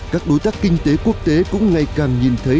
các đối tác kinh tế quốc tế cũng ngày càng nhìn thấy